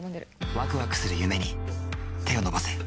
ワクワクする夢に手を伸ばせ。